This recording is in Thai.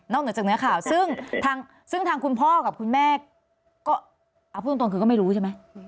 นอกจากเนื้อข่าวซึ่งทางซึ่งทางคุณพ่อกับคุณแม่ก็อ่าพูดตรงตรงคือก็ไม่รู้ใช่ไหม